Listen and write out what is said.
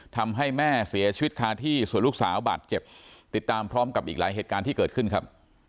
ทำให้แม่เสียชีวิตคาที่ส่วนลูกสาวบาดเจ็บติดตามพร้อมกับอีกหลายเหตุการณ์ที่เกิดขึ้นครับ